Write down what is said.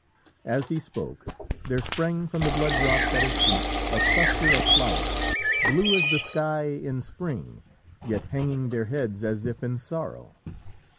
As he spoke, there sprang from the blood drops at his feet a cluster of flowers, blue as the sky in spring, yet hanging their heads as if in sorrow.